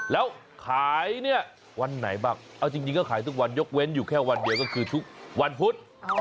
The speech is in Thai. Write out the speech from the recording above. แล้วขายเนี่ยวันไหนบ้างเอาจริงก็ขายทุกวันยกเว้นอยู่แค่วันเดียวก็คือทุกวันพุธ